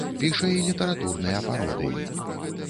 Піша і літаратурныя пародыі.